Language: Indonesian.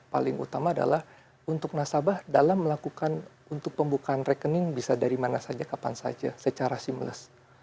paling utama adalah untuk nasabah dalam melakukan untuk pembukaan rekening bisa dari mana saja kapan saja secara simles